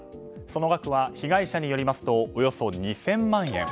その額は被害者によりますとおよそ２０００万円。